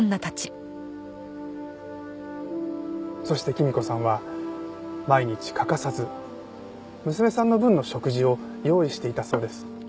そしてきみ子さんは毎日欠かさず娘さんの分の食事を用意していたそうです。